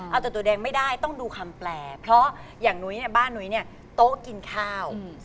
เอาแต่ตัวแดงไม่ได้ต้องดูคำแปลเพราะอย่างนุ้ยเนี่ยบ้านนุ้ยเนี่ยโต๊ะกินข้าว